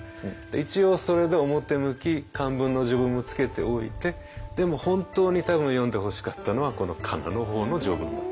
一応それで表向き漢文の序文もつけておいてでも本当に多分読んでほしかったのはこのかなの方の序文だと。